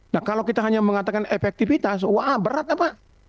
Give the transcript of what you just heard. nah kalau kita hanya mengatakan efektivitas wah berat apa